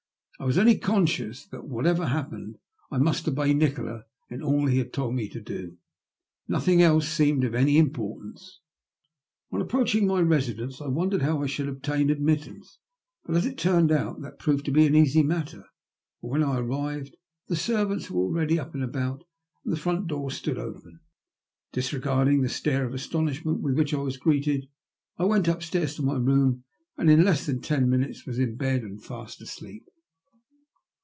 I was only conscious that, whatever happened, I must obey Nikola in all he had told me to do. Nothing else seemed of any importance. On approaching my residence, I wondered how I should obtain admittance ; bat, as it tamed out, that proved an easy matter, for when I arrived the ser vants were already up and about, and the front door stood open. Disregarding the stare of astonishment with which I was greeted, I went upstairs to my room, and in less than ten minutes was in bed and fast asleep.